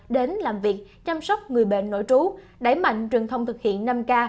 đến làm việc chăm sóc người bệnh nội trú đẩy mạnh truyền thông thực hiện năm k